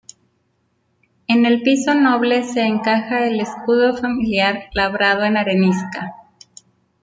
En el piso noble se encaja el escudo familiar labrado en arenisca.